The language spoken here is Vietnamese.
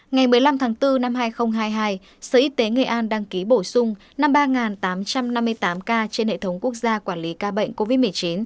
ngày một mươi năm tháng bốn năm hai nghìn hai mươi hai sở y tế nghệ an đăng ký bổ sung năm mươi ba tám trăm năm mươi tám ca trên hệ thống quốc gia quản lý ca bệnh covid một mươi chín